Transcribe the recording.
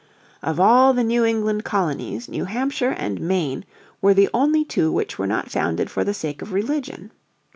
Of all the New England colonies, New Hampshire and Maine were the only two which were not founded for the sake of religion.